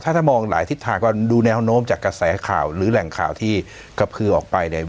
ถ้ามองหลายทิศทางก็ดูแนวโน้มจากกระแสข่าวหรือแหล่งข่าวที่กระพือออกไปเนี่ย